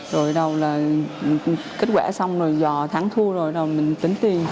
rồi đầu là kết quả xong rồi dò thắng thua rồi mình tính tiền